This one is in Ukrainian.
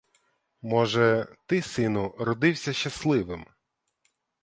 Може, ти, сину, родився щасливим!